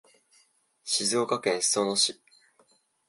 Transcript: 静岡県裾野市